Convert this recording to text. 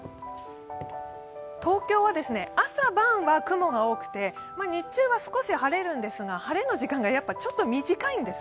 東京は朝晩は雲が多くて日中は少し晴れるんですが晴れの時間がちょっと短いんです。